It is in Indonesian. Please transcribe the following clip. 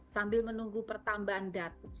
sambil menunggu pertambahan datu